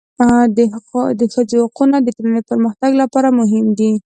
د ښځو حقونه د ټولنې پرمختګ لپاره مهم دي.